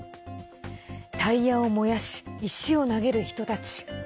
タイヤを燃やし石を投げる人たち。